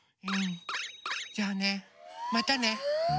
うんじゃあね。またね。